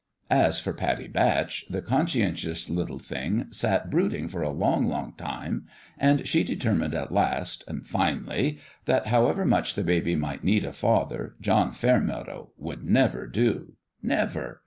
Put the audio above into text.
As for Pattie Batch, the conscientious little thing sat brooding for a long, long time ; and she deter mined, at last and fin'ly that however much the baby might need a father, John Fairmeadow would never do. Never